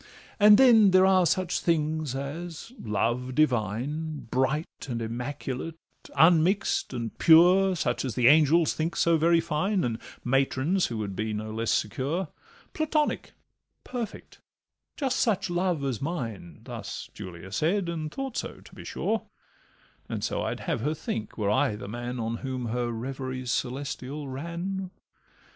And then there are such things as love divine, Bright and immaculate, unmix'd and pure, Such as the angels think so very fine, And matrons who would be no less secure, Platonic, perfect, 'just such love as mine;' Thus Julia said—and thought so, to be sure; And so I'd have her think, were I the man On whom her reveries celestial ran.